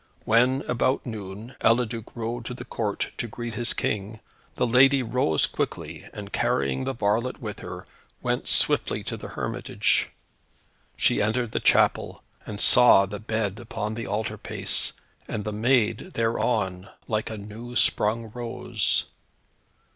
When, about noon, Eliduc rode to the Court to greet his King, the lady rose quickly, and carrying the varlet with her, went swiftly to the hermitage. She entered the chapel, and saw the bed upon the altar pace, and the maiden thereon, like a new sprung rose.